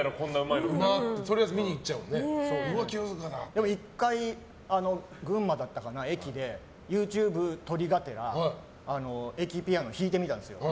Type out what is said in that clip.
でも１回群馬だったかな、駅でＹｏｕＴｕｂｅ撮りがてら駅ピアノ弾いてみたんですよ。